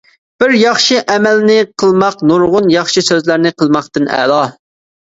بىر ياخشى ئەمەلنى قىلماق نۇرغۇن ياخشى سۆزلەرنى قىلماقتىن ئەلا.